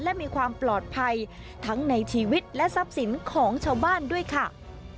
และมีความปลอดภัยทั้งในชีวิตและทรัพย์สินของชาวบ้านด้วยค่ะ